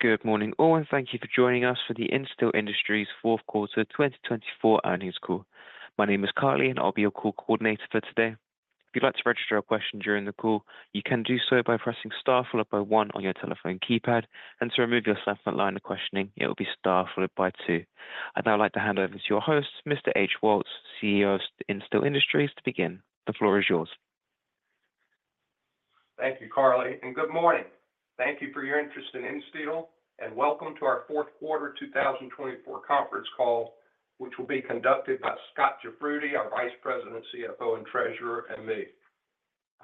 Good morning, all, and thank you for joining us for the Insteel Industries fourth quarter 2024 earnings call. My name is Carly, and I'll be your call coordinator for today. If you'd like to register a question during the call, you can do so by pressing Star followed by one on your telephone keypad, and to remove yourself from line of questioning, it will be Star followed by two. I'd now like to hand over to your host, Mr. H.O. Woltz, CEO of Insteel Industries, to begin. The floor is yours. Thank you, Carly, and good morning. Thank you for your interest in Insteel, and welcome to our fourth quarter 2024 conference call, which will be conducted by Scot Grubbs, our Vice President, CFO, and Treasurer, and me.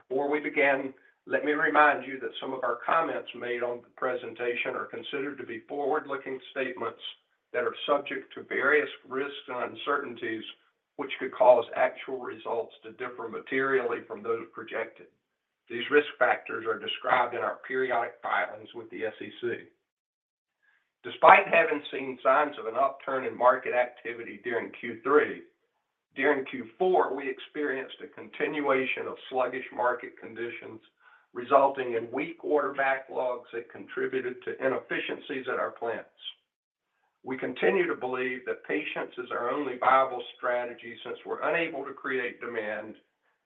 Before we begin, let me remind you that some of our comments made on the presentation are considered to be forward-looking statements that are subject to various risks and uncertainties, which could cause actual results to differ materially from those projected. These risk factors are described in our periodic filings with the SEC. Despite having seen signs of an upturn in market activity during Q3, during Q4, we experienced a continuation of sluggish market conditions, resulting in weak order backlogs that contributed to inefficiencies at our plants. We continue to believe that patience is our only viable strategy since we're unable to create demand,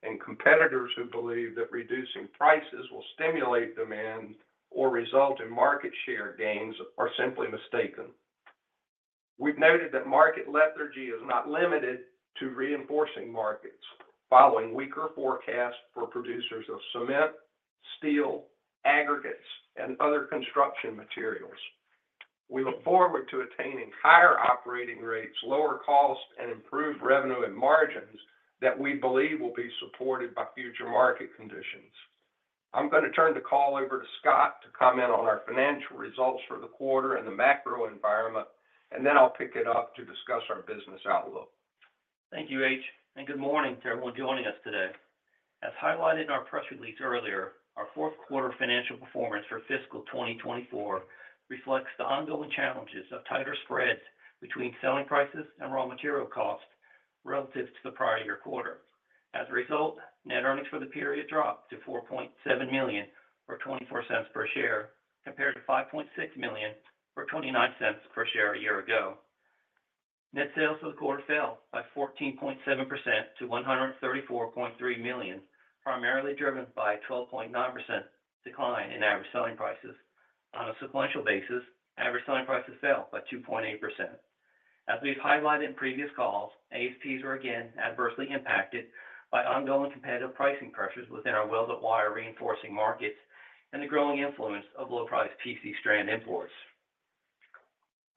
and competitors who believe that reducing prices will stimulate demand or result in market share gains are simply mistaken. We've noted that market lethargy is not limited to reinforcing markets following weaker forecasts for producers of cement, steel, aggregates, and other construction materials. We look forward to attaining higher operating rates, lower costs, and improved revenue and margins that we believe will be supported by future market conditions. I'm gonna turn the call over to Scott to comment on our financial results for the quarter and the macro environment, and then I'll pick it up to discuss our business outlook. Thank you, H, and good morning to everyone joining us today. As highlighted in our press release earlier, our fourth quarter financial performance for fiscal 2024 reflects the ongoing challenges of tighter spreads between selling prices and raw material costs relative to the prior year quarter. As a result, net earnings for the period dropped to $4.7 million, or $0.24 per share, compared to $5.6 million, or $0.29 per share a year ago. Net sales for the quarter fell by 14.7% to $134.3 million, primarily driven by a 12.9% decline in average selling prices. On a sequential basis, average selling prices fell by 2.8%. As we've highlighted in previous calls, ASPs were again adversely impacted by ongoing competitive pricing pressures within our welded wire reinforcing markets and the growing influence of low-price PC strand imports.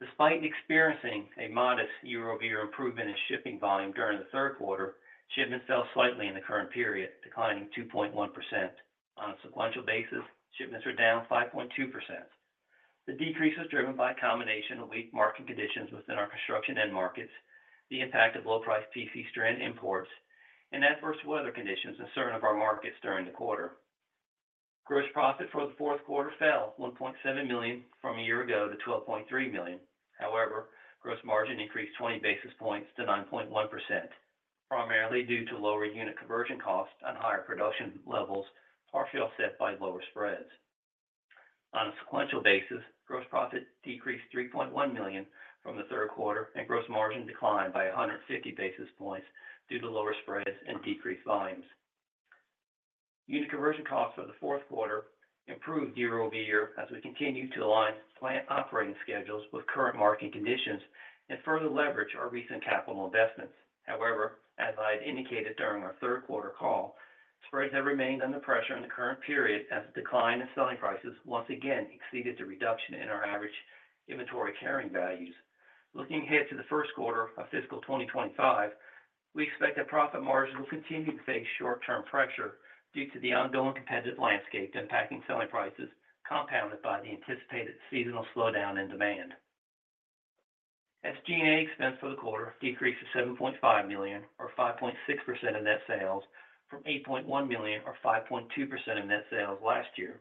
Despite experiencing a modest year-over-year improvement in shipping volume during the third quarter, shipments fell slightly in the current period, declining 2.1%. On a sequential basis, shipments were down 5.2%. The decrease was driven by a combination of weak market conditions within our construction end markets, the impact of low-price PC strand imports, and adverse weather conditions in certain of our markets during the quarter. Gross profit for the fourth quarter fell $1.7 million from a year ago to $12.3 million. However, gross margin increased 20 basis points to 9.1%, primarily due to lower unit conversion costs and higher production levels, partially offset by lower spreads. On a sequential basis, gross profit decreased $3.1 million from the third quarter, and gross margin declined by 150 basis points due to lower spreads and decreased volumes. Unit conversion costs for the fourth quarter improved year over year as we continued to align plant operating schedules with current market conditions and further leverage our recent capital investments. However, as I had indicated during our third quarter call, spreads have remained under pressure in the current period as the decline in selling prices once again exceeded the reduction in our average inventory carrying values. Looking ahead to the first quarter of fiscal 2025, we expect that profit margins will continue to face short-term pressure due to the ongoing competitive landscape impacting selling prices, compounded by the anticipated seasonal slowdown in demand. SG&A expense for the quarter decreased to $7.5 million, or 5.6% of net sales, from $8.1 million, or 5.2% of net sales last year.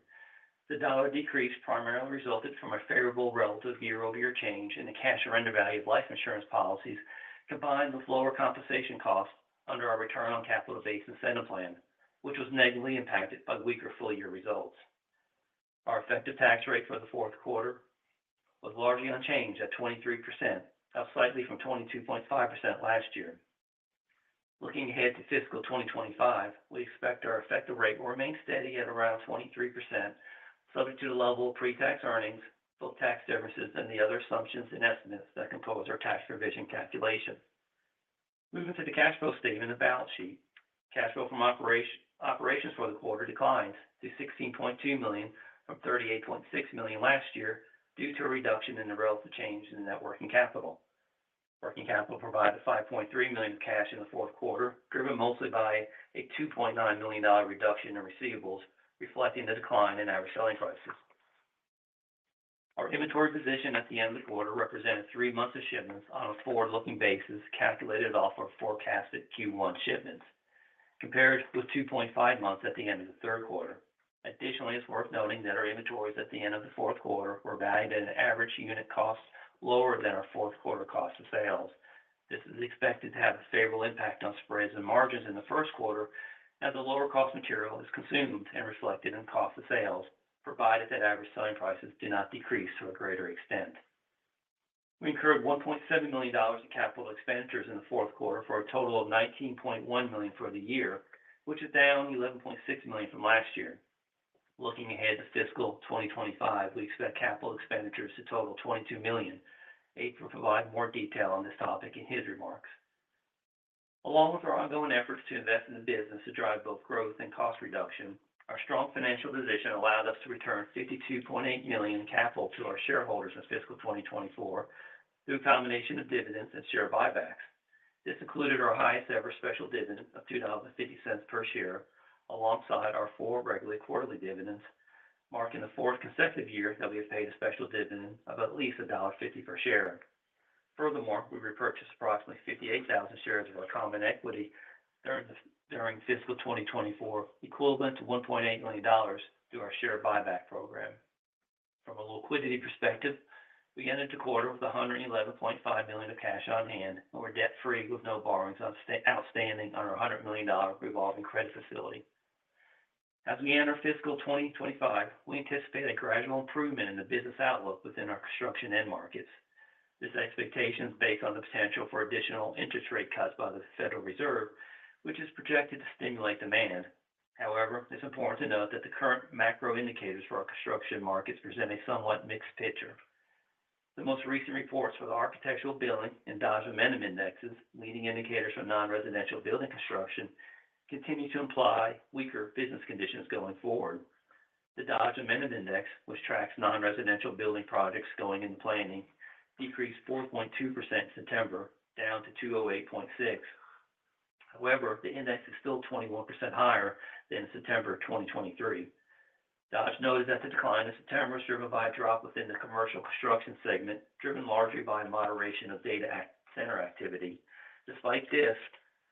The dollar decrease primarily resulted from a favorable relative year-over-year change in the cash surrender value of life insurance policies, combined with lower compensation costs under our return on capital-based incentive plan, which was negatively impacted by weaker full-year results. Our effective tax rate for the fourth quarter was largely unchanged at 23%, up slightly from 22.5% last year. Looking ahead to fiscal 2025, we expect our effective rate will remain steady at around 23%, subject to the level of pre-tax earnings, both tax credits and the other assumptions and estimates that compose our tax provision calculation. Moving to the cash flow statement and balance sheet. Cash flow from operations for the quarter declined to $16.2 million from $38.6 million last year due to a reduction in the relative change in the net working capital. Working capital provided $5.3 million of cash in the fourth quarter, driven mostly by a $2.9 million reduction in receivables, reflecting the decline in our selling prices. Our inventory position at the end of the quarter represented three months of shipments on a forward-looking basis, calculated off our forecasted Q1 shipments, compared with two point five months at the end of the third quarter. Additionally, it's worth noting that our inventories at the end of the fourth quarter were valued at an average unit cost lower than our fourth quarter cost of sales. This is expected to have a favorable impact on spreads and margins in the first quarter, as the lower cost material is consumed and reflected in cost of sales, provided that average selling prices do not decrease to a greater extent. We incurred $1.7 million in capital expenditures in the fourth quarter, for a total of $19.1 million for the year, which is down $11.6 million from last year. Looking ahead to fiscal 2025, we expect capital expenditures to total $22 million. H will provide more detail on this topic in his remarks. Along with our ongoing efforts to invest in the business to drive both growth and cost reduction, our strong financial position allowed us to return $52.8 million in capital to our shareholders in fiscal 2024 through a combination of dividends and share buybacks. This included our highest ever special dividend of $2.50 per share, alongside our four regular quarterly dividends, marking the fourth consecutive year that we have paid a special dividend of at least $1.50 per share. Furthermore, we repurchased approximately 58,000 shares of our common equity during fiscal 2024, equivalent to $1.8 million through our share buyback program. From a liquidity perspective, we ended the quarter with $111.5 million of cash on hand, and we're debt-free with no borrowings outstanding on our $100 million revolving credit facility. As we enter fiscal 2025, we anticipate a gradual improvement in the business outlook within our construction end markets. This expectation is based on the potential for additional interest rate cuts by the Federal Reserve, which is projected to stimulate demand. However, it's important to note that the current macro indicators for our construction markets present a somewhat mixed picture. The most recent reports for the Architecture Billings Index and Dodge Momentum Index, leading indicators for non-residential building construction, continue to imply weaker business conditions going forward. The Dodge Momentum Index, which tracks non-residential building projects going into planning, decreased 4.2% in September, down to 208.6. However, the index is still 21% higher than September 2023. Dodge noted that the decline in September was driven by a drop within the commercial construction segment, driven largely by a moderation of data center activity. Despite this,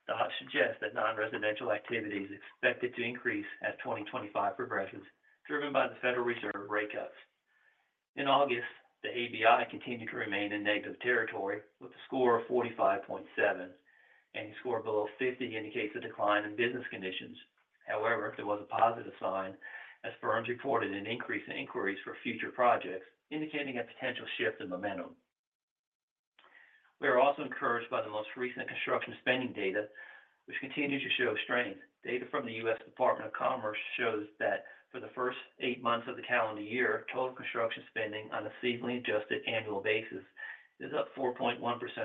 Dodge suggests that non-residential activity is expected to increase as 2025 progresses, driven by the Federal Reserve rate cuts. In August, the ABI continued to remain in negative territory with a score of 45.7. Any score below fifty indicates a decline in business conditions. However, there was a positive sign as firms reported an increase in inquiries for future projects, indicating a potential shift in momentum. We are also encouraged by the most recent construction spending data, which continues to show strength. Data from the U.S. Department of Commerce shows that for the first eight months of the calendar year, total construction spending on a seasonally adjusted annual basis is up 4.1%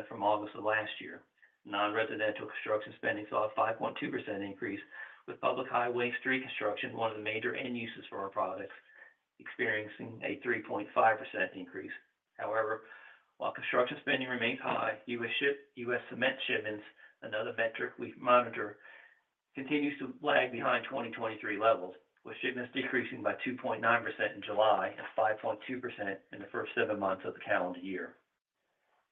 from August of last year. Non-residential construction spending saw a 5.2% increase, with public highway street construction, one of the major end uses for our products, experiencing a 3.5% increase. However, while construction spending remains high, US cement shipments, another metric we monitor, continues to lag behind 2023 levels, with shipments decreasing by 2.9% in July and 5.2% in the first seven months of the calendar year.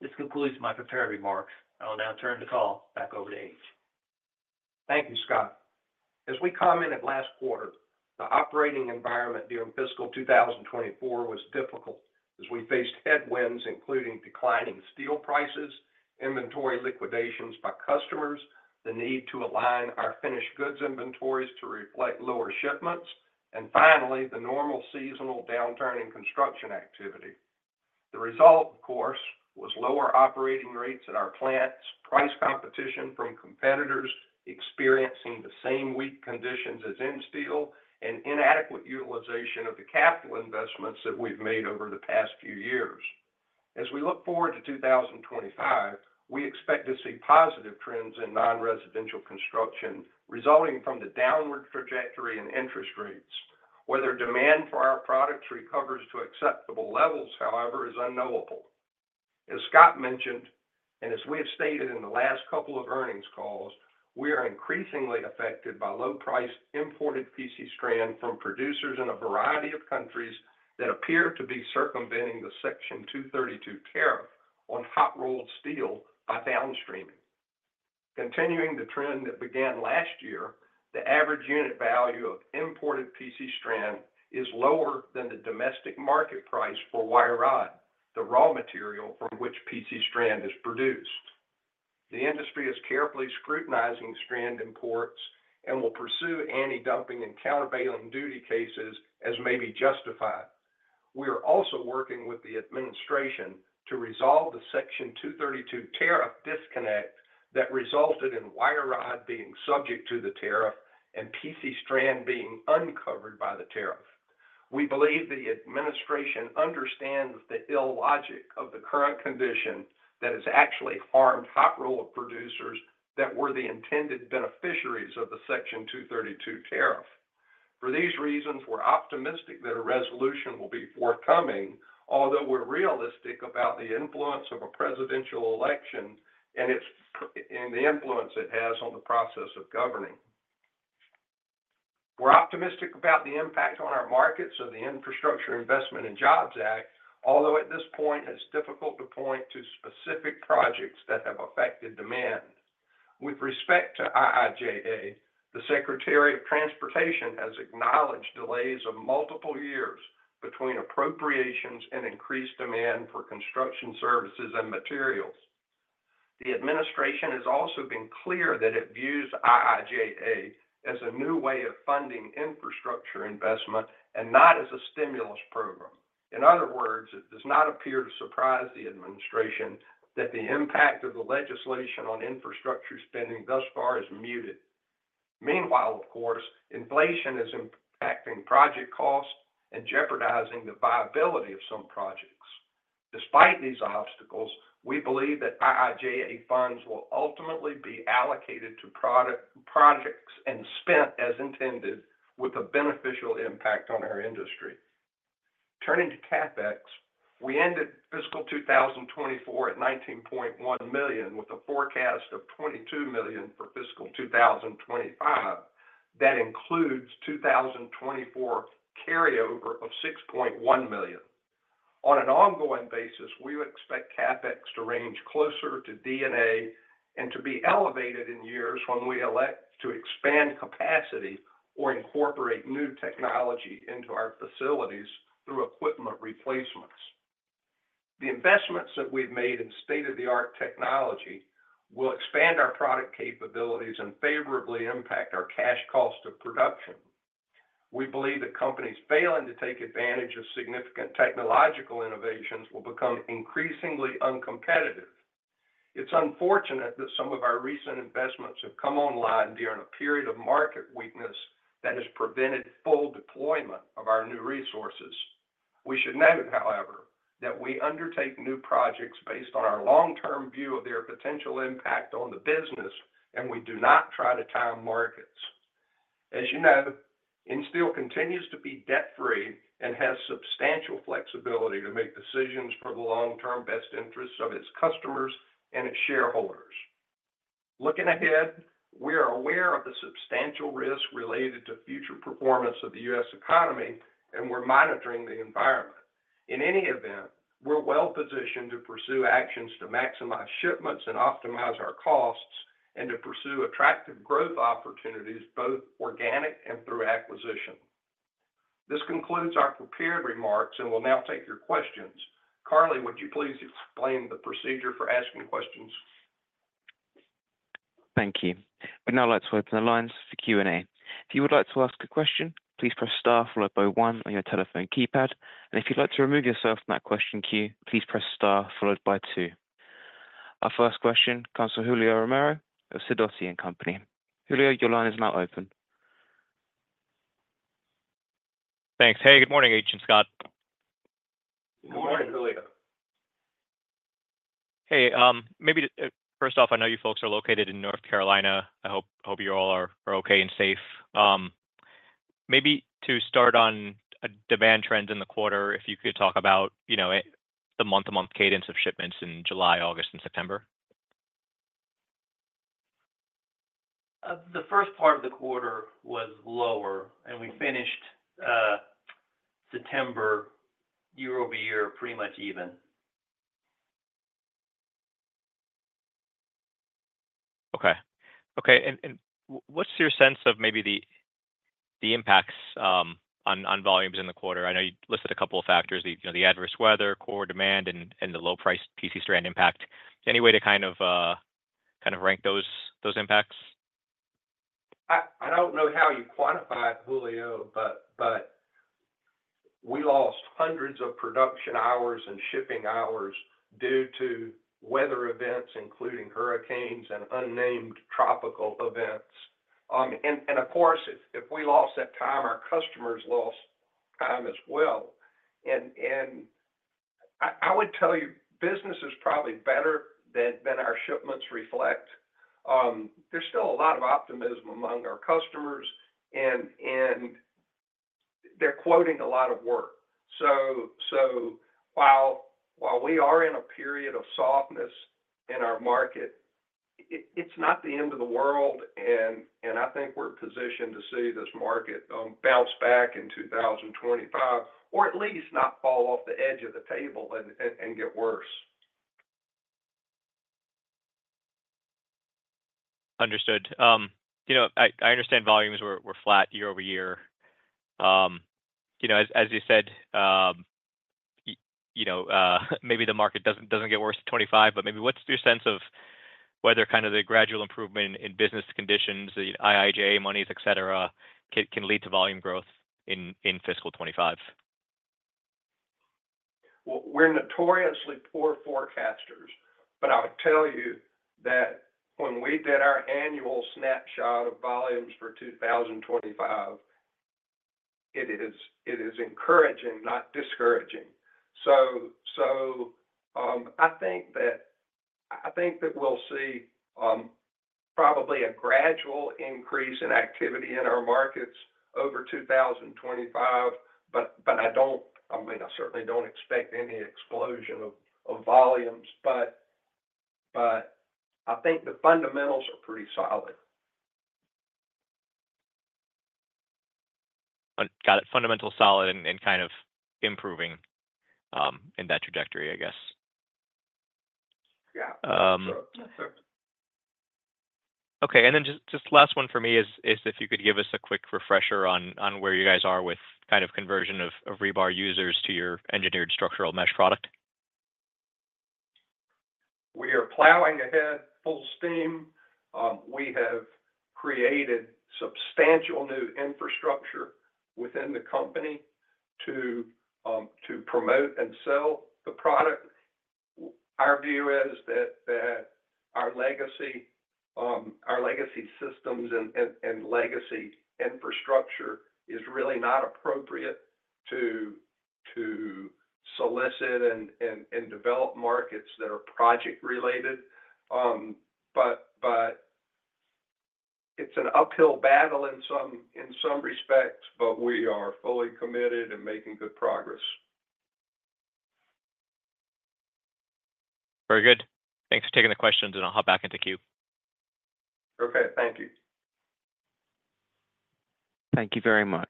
This concludes my prepared remarks. I will now turn the call back over to H. Thank you, Scott. As we commented last quarter, the operating environment during fiscal 2024 was difficult as we faced headwinds, including declining steel prices, inventory liquidations by customers, the need to align our finished goods inventories to reflect lower shipments, and finally, the normal seasonal downturn in construction activity. The result, of course, was lower operating rates at our plants, price competition from competitors experiencing the same weak conditions as Insteel, and inadequate utilization of the capital investments that we've made over the past few years. As we look forward to 2025, we expect to see positive trends in non-residential construction, resulting from the downward trajectory in interest rates. Whether demand for our products recovers to acceptable levels, however, is unknowable. As Scott mentioned, and as we have stated in the last couple of earnings calls, we are increasingly affected by low-priced, imported PC strand from producers in a variety of countries that appear to be circumventing the Section 232 tariff on hot-rolled steel by downstreaming. Continuing the trend that began last year, the average unit value of imported PC strand is lower than the domestic market price for wire rod, the raw material from which PC strand is produced. The industry is carefully scrutinizing strand imports and will pursue antidumping and countervailing duty cases as may be justified. We are also working with the administration to resolve the Section 32 tariff disconnect that resulted in wire rod being subject to the tariff and PC strand being uncovered by the tariff. We believe the administration understands the ill logic of the current condition that has actually harmed hot-rolled producers that were the intended beneficiaries of the Section 232 tariff. For these reasons, we're optimistic that a resolution will be forthcoming, although we're realistic about the influence of a presidential election and the influence it has on the process of governing. We're optimistic about the impact on our markets of the Infrastructure Investment and Jobs Act, although at this point, it's difficult to point to specific projects that have affected demand. With respect to IIJA, the Secretary of Transportation has acknowledged delays of multiple years between appropriations and increased demand for construction services and materials. The administration has also been clear that it views IIJA as a new way of funding infrastructure investment, and not as a stimulus program. In other words, it does not appear to surprise the administration that the impact of the legislation on infrastructure spending thus far is muted. Meanwhile, of course, inflation is impacting project costs and jeopardizing the viability of some projects. Despite these obstacles, we believe that IIJA funds will ultimately be allocated to projects and spent as intended, with a beneficial impact on our industry. Turning to CapEx, we ended fiscal two thousand and twenty-four at $19.1 million, with a forecast of $22 million for fiscal two thousand and twenty-five. That includes two thousand and twenty-four carryover of $6.1 million. On an ongoing basis, we would expect CapEx to range closer to D&A and to be elevated in years when we elect to expand capacity or incorporate new technology into our facilities through equipment replacements. The investments that we've made in state-of-the-art technology will expand our product capabilities and favorably impact our cash cost of production. We believe that companies failing to take advantage of significant technological innovations will become increasingly uncompetitive. It's unfortunate that some of our recent investments have come online during a period of market weakness that has prevented full deployment of our new resources. We should note, however, that we undertake new projects based on our long-term view of their potential impact on the business, and we do not try to time markets. As you know, Insteel continues to be debt-free and has substantial flexibility to make decisions for the long-term best interests of its customers and its shareholders. Looking ahead, we are aware of the substantial risk related to future performance of the U.S. economy, and we're monitoring the environment. In any event, we're well positioned to pursue actions to maximize shipments and optimize our costs, and to pursue attractive growth opportunities, both organic and through acquisition. This concludes our prepared remarks, and we'll now take your questions. Carly, would you please explain the procedure for asking questions? Thank you. We'd now like to open the lines for Q&A. If you would like to ask a question, please press star followed by one on your telephone keypad. And if you'd like to remove yourself from that question queue, please press star followed by 2. Our first question comes from Julio Romero of Sidoti & Company. Julio, your line is now open. Thanks. Hey, good morning, Scott. Good morning, Julio. Hey, maybe first off, I know you folks are located in North Carolina. I hope you all are okay and safe. Maybe to start on demand trends in the quarter, if you could talk about, you know, the month-to-month cadence of shipments in July, August, and September. The first part of the quarter was lower, and we finished September, year-over-year, pretty much even. Okay. Okay, and, and what's your sense of maybe the, the impacts on, on volumes in the quarter? I know you listed a couple of factors, the, you know, the adverse weather, core demand, and, and the low-price PC strand impact. Any way to kind of, kind of rank those, those impacts? I don't know how you quantify it, Julio, but we lost hundreds of production hours and shipping hours due to weather events, including hurricanes and unnamed tropical events, and of course, if we lost that time, our customers lost time as well, and I would tell you, business is probably better than our shipments reflect. There's still a lot of optimism among our customers, and they're quoting a lot of work, so while we are in a period of softness in our market, it's not the end of the world, and I think we're positioned to see this market bounce back in two thousand and twenty-five, or at least not fall off the edge of the table and get worse. Understood. You know, I understand volumes were flat year over year. You know, as you said, you know, maybe the market doesn't get worse in 2025, but maybe what's your sense of whether kind of the gradual improvement in business conditions, the IIJA monies, et cetera, can lead to volume growth in fiscal 2025? We're notoriously poor forecasters, but I'll tell you that when we did our annual snapshot of volumes for two thousand and twenty-five, it is encouraging, not discouraging. So, I think that we'll see probably a gradual increase in activity in our markets over two thousand and twenty-five, but I don't... I mean, I certainly don't expect any explosion of volumes. But I think the fundamentals are pretty solid.... got it fundamental solid and kind of improving, in that trajectory, I guess. Yeah. Sure. Sure. Okay, and then just last one for me is if you could give us a quick refresher on where you guys are with kind of conversion of rebar users to your engineered structural mesh product? We are plowing ahead full steam. We have created substantial new infrastructure within the company to promote and sell the product. Our view is that our legacy systems and legacy infrastructure is really not appropriate to solicit and develop markets that are project-related. But it's an uphill battle in some respects, but we are fully committed and making good progress. Very good. Thanks for taking the questions, and I'll hop back into queue. Okay, thank you. Thank you very much.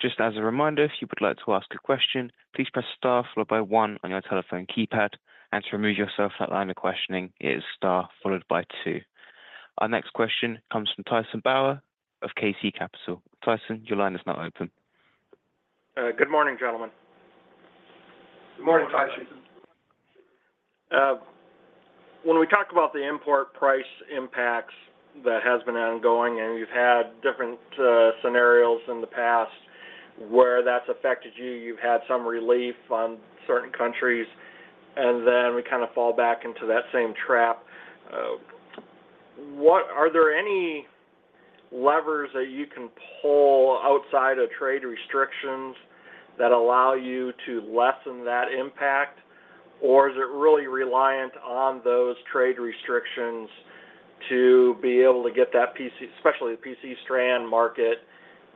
Just as a reminder, if you would like to ask a question, please press star followed by one on your telephone keypad, and to remove yourself from that line of questioning, it is star followed by 2. Our next question comes from Tyson Bauer of KC Capital. Tyson, your line is now open. Good morning, gentlemen. Good morning, Tyson. When we talk about the import price impacts that has been ongoing, and you've had different scenarios in the past where that's affected you, you've had some relief on certain countries, and then we kind of fall back into that same trap. What are there any levers that you can pull outside of trade restrictions that allow you to lessen that impact? Or is it really reliant on those trade restrictions to be able to get that PC, especially the PC strand market,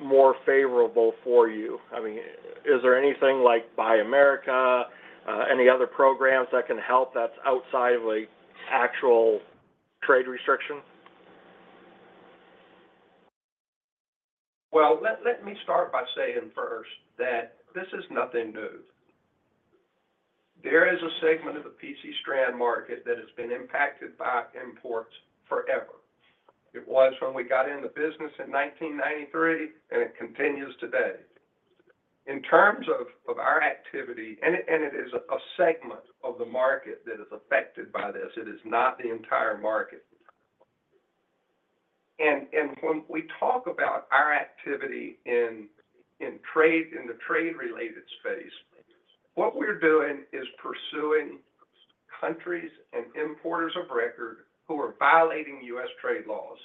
more favorable for you? I mean, is there anything like Buy America, any other programs that can help that's outside of an actual trade restriction? Well, let me start by saying first that this is nothing new. There is a segment of the PC strand market that has been impacted by imports forever. It was when we got in the business in nineteen ninety-three, and it continues today. In terms of our activity, and it is a segment of the market that is affected by this, it is not the entire market. And when we talk about our activity in trade, in the trade-related space, what we're doing is pursuing countries and importers of record who are violating U.S. trade laws.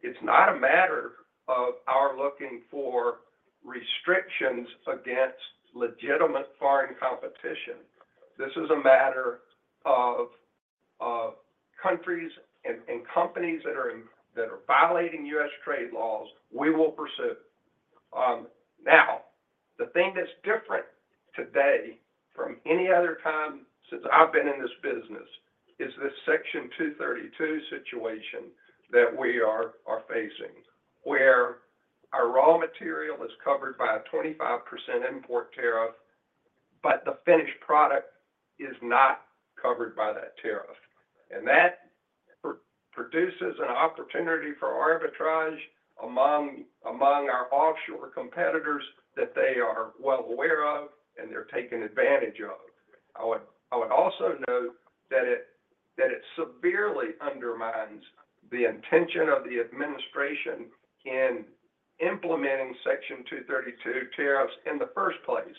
It's not a matter of our looking for restrictions against legitimate foreign competition. This is a matter of countries and companies that are violating U.S. trade laws, we will pursue. Now, the thing that's different today from any other time since I've been in this business, is this Section 232 situation that we are facing, where our raw material is covered by a 25% import tariff, but the finished product is not covered by that tariff. And that produces an opportunity for arbitrage among our offshore competitors that they are well aware of and they're taking advantage of. I would also note that it severely undermines the intention of the administration in implementing Section 232 tariffs in the first place.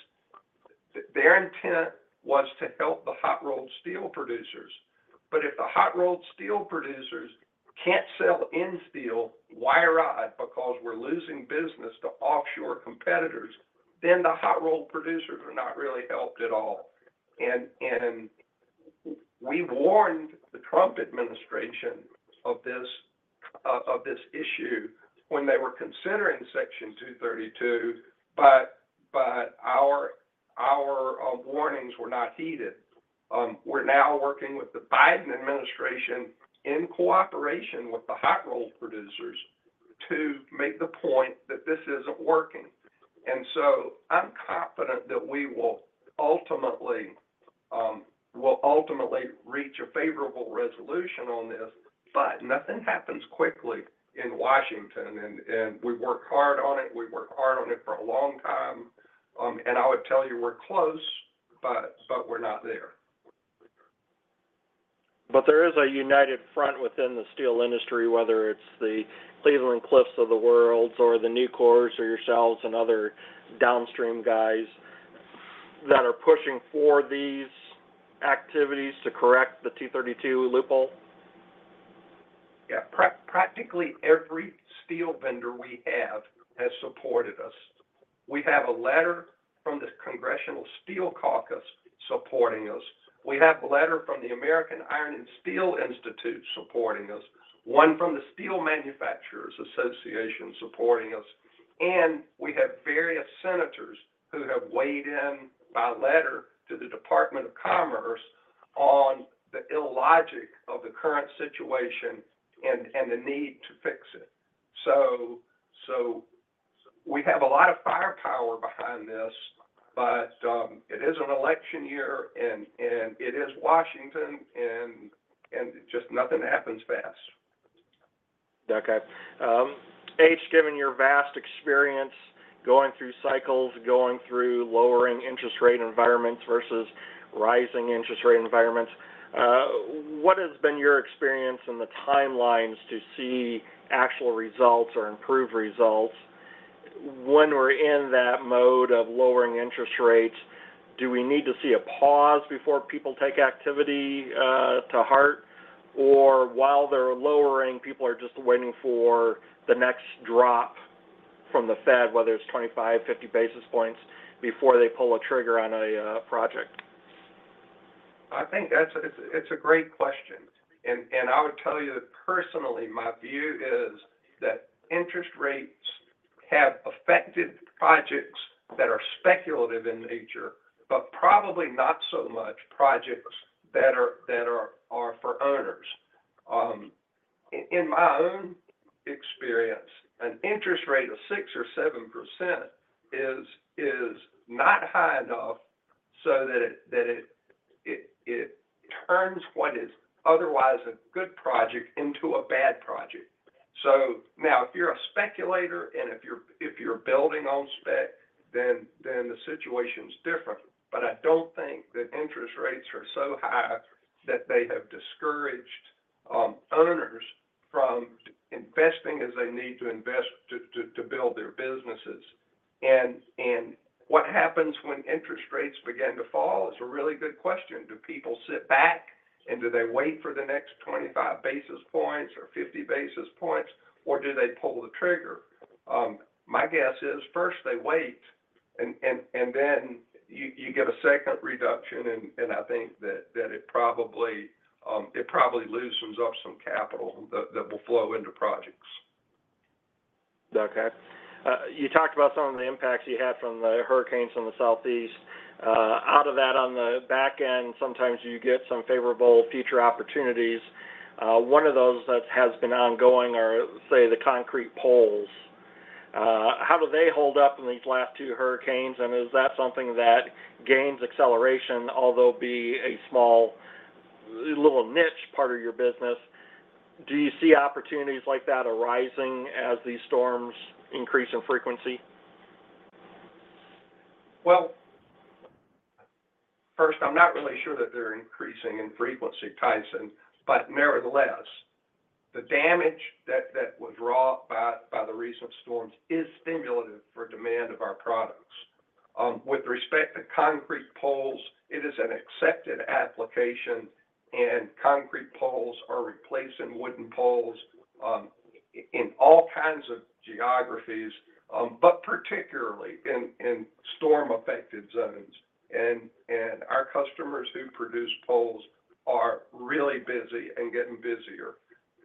Their intent was to help the hot-rolled steel producers, but if the hot-rolled steel producers can't sell end steel wire rod because we're losing business to offshore competitors, then the hot-rolled producers are not really helped at all. We warned the Trump administration of this issue when they were considering Section 232, but our warnings were not heeded. We're now working with the Biden administration in cooperation with the hot-rolled producers to make the point that this isn't working. And so, I'm confident that we will ultimately reach a favorable resolution on this, but nothing happens quickly in Washington, and we work hard on it. We work hard on it for a long time, and I would tell you we're close, but we're not there. But there is a united front within the steel industry, whether it's the Cleveland-Cliffs of the world or the Nucors or yourselves and other downstream guys, that are pushing for these activities to correct the 232 loophole? Yeah. Practically every steel vendor we have has supported us. We have a letter from the Congressional Steel Caucus supporting us. We have a letter from the American Iron and Steel Institute supporting us, one from the Steel Manufacturers Association supporting us, and we have various senators who have weighed in by letter to the Department of Commerce on the illogic of the current situation and the need to fix it. So we have a lot of firepower behind this, but it is an election year, and it is Washington, and just nothing happens fast. Okay. H, given your vast experience going through cycles, going through lowering interest rate environments versus rising interest rate environments, what has been your experience and the timelines to see actual results or improved results when we're in that mode of lowering interest rates? Do we need to see a pause before people take activity to heart? Or while they're lowering, people are just waiting for the next drop from the Fed, whether it's 25, 50 basis points, before they pull a trigger on a project? I think that's a great question, and I would tell you that personally, my view is that interest rates have affected projects that are speculative in nature, but probably not so much projects that are for owners. In my own experience, an interest rate of 6% or 7% is not high enough so that it turns what is otherwise a good project into a bad project, so now, if you're a speculator and if you're building on spec, then the situation's different, but I don't think that interest rates are so high that they have discouraged owners from investing as they need to invest to build their businesses, and what happens when interest rates begin to fall is a really good question. Do people sit back, and do they wait for the next twenty-five basis points or fifty basis points, or do they pull the trigger? My guess is, first, they wait, and then you get a second reduction, and I think that it probably loosens up some capital that will flow into projects. Okay. You talked about some of the impacts you had from the hurricanes in the Southeast. Out of that, on the back end, sometimes you get some favorable future opportunities. One of those that has been ongoing are, say, the concrete poles. How do they hold up in these last two hurricanes, and is that something that gains acceleration, although be a small, little niche part of your business? Do you see opportunities like that arising as these storms increase in frequency? First, I'm not really sure that they're increasing in frequency, Tyson, but nevertheless, the damage that was wrought by the recent storms is stimulative for demand of our products. With respect to concrete poles, it is an accepted application, and concrete poles are replacing wooden poles in all kinds of geographies, but particularly in storm-affected zones. Our customers who produce poles are really busy and getting busier.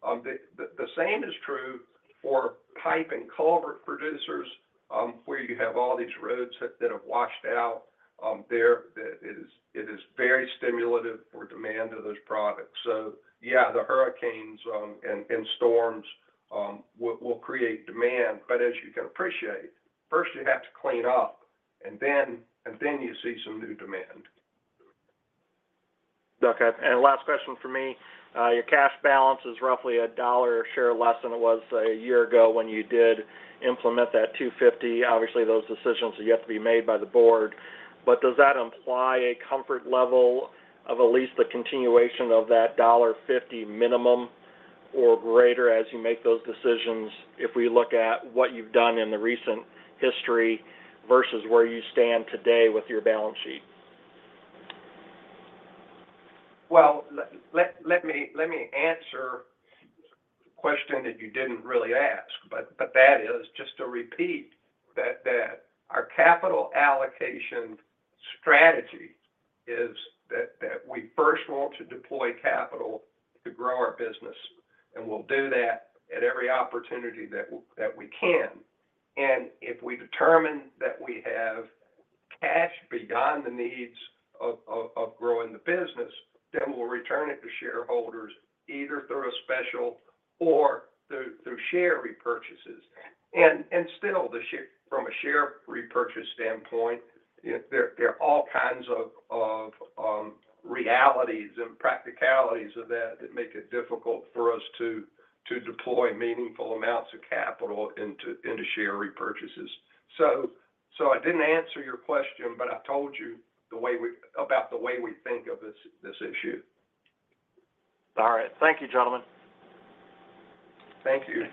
The same is true for pipe and culvert producers, where you have all these roads that have washed out. It is very stimulative for demand of those products. Yeah, the hurricanes and storms will create demand, but as you can appreciate, first you have to clean up, and then you see some new demand. Okay. And last question from me. Your cash balance is roughly $1 a share less than it was a year ago when you did implement that $2.50. Obviously, those decisions have yet to be made by the board. But does that imply a comfort level of at least the continuation of that $1.50 minimum or greater as you make those decisions, if we look at what you've done in the recent history versus where you stand today with your balance sheet? Let me answer the question that you didn't really ask, but that is, just to repeat, that our capital allocation strategy is that we first want to deploy capital to grow our business, and we'll do that at every opportunity that we can. And if we determine that we have cash beyond the needs of growing the business, then we'll return it to shareholders, either through a special or through share repurchases. And still, from a share repurchase standpoint, there are all kinds of realities and practicalities of that that make it difficult for us to deploy meaningful amounts of capital into share repurchases. So I didn't answer your question, but I told you the way we think about this issue. All right. Thank you, gentlemen. Thank you.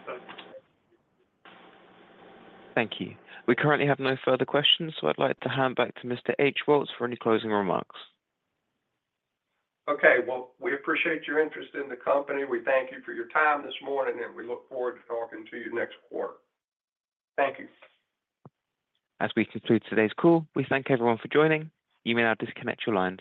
Thank you. We currently have no further questions, so I'd like to hand back to Mr. H. Woltz for any closing remarks. Okay. Well, we appreciate your interest in the company. We thank you for your time this morning, and we look forward to talking to you next quarter. Thank you. As we conclude today's call, we thank everyone for joining. You may now disconnect your lines.